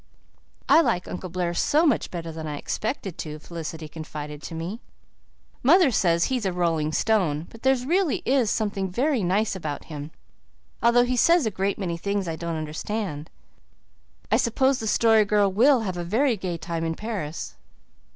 "I like Uncle Blair so much better than I expected to," Felicity confided to me. "Mother says he's a rolling stone, but there really is something very nice about him, although he says a great many things I don't understand. I suppose the Story Girl will have a very gay time in Paris."